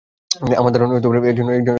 আমার ধারণা থর একজন দারুণ বাবা হত।